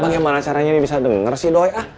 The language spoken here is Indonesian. gimana caranya bisa denger sih doi